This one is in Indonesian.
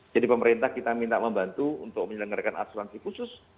jadi pemerintah kita minta membantu untuk menyelenggarakan asuransi khusus